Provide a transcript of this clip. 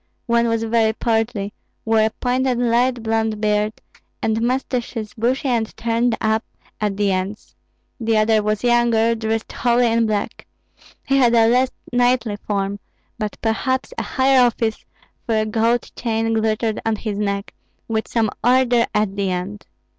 One was very portly, wore a pointed light blond beard, and mustaches bushy and turned up at the ends; the other was younger, dressed wholly in black. He had a less knightly form, but perhaps a higher office, for a gold chain glittered on his neck, with some order at the end.